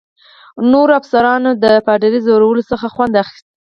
نورو افسرانو د پادري له ځورولو څخه خوند اخیست.